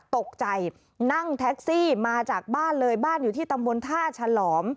ตกใจนั่งแท็กซี่มาจากบ้านเลยบ้านอยู่ที่ตำบลท่าฉลอม